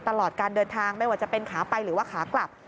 ตลอดการเดินทางไม่ว่าจะเป็นขาไปหรือว่าขากลับ